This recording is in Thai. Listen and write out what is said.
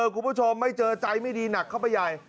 คุณผู้ชมไม่เจอใจไม่ดีหนักเข้าไปใหญ่